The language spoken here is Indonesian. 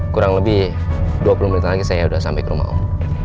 kurang lebih dua puluh menit lagi saya sudah sampai ke rumah om